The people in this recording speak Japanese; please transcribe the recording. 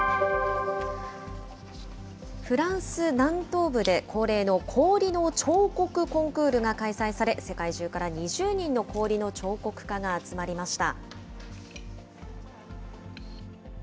フランス南東部で恒例の氷の彫刻コンクールが開催され、世界中から２０人の氷の彫刻家が集まりました。